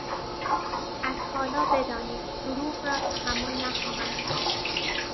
از حالا بدانید ـ دروغ را تحمل نخواهم کرد!